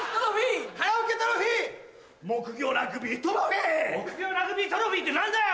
木魚ラグビートロフィーって何だよ！